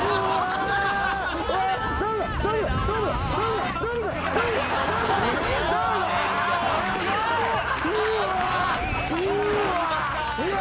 うわ！